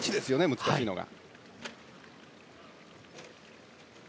難しいのが。